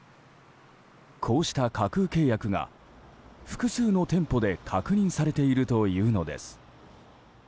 こうした架空契約が複数の店舗で確認されているというのです。